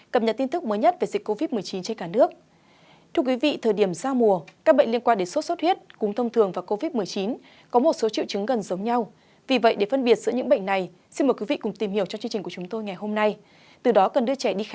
cảm ơn các bạn đã theo dõi